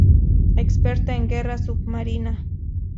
Experta en guerra submarina.